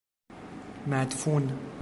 مدفون